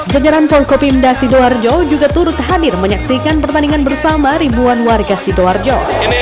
jajaran forkopimda sidoarjo juga turut hadir menyaksikan pertandingan bersama ribuan warga sidoarjo